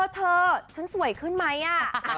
เธอฉันสวยขึ้นไหม